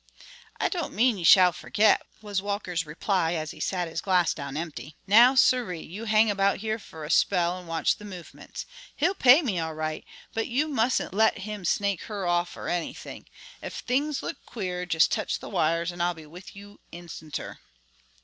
"I don't mean you shall forget," was Walker's reply as he sat his glass down empty. "Now, siree, you hang about here for a spell and watch the movements. He'll pay me all right, but you mustn't let him snake her off or anything. Ef things look queer, jes' touch the wires and I'll be with you instanter."